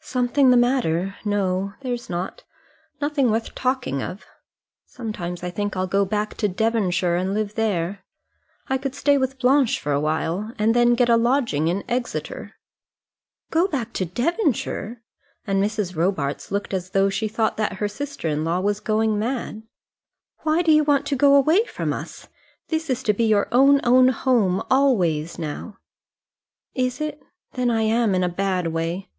"Something the matter! No, there's not; nothing worth talking of. Sometimes I think I'll go back to Devonshire and live there. I could stay with Blanche for a time, and then get a lodging in Exeter." "Go back to Devonshire!" and Mrs. Robarts looked as though she thought that her sister in law was going mad. "Why do you want to go away from us? This is to be your own, own home, always now." "Is it? Then I am in a bad way.